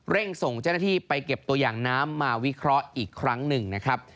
ส่งเจ้าหน้าที่ไปเก็บตัวอย่างน้ำมาวิเคราะห์อีกครั้งหนึ่งนะครับ